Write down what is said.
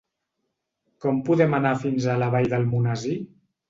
Com podem anar fins a la Vall d'Almonesir?